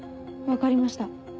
分かりました。